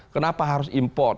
kenapa harus import